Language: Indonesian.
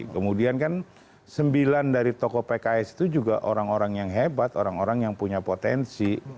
kemudian kan sembilan dari tokoh pks itu juga orang orang yang hebat orang orang yang punya potensi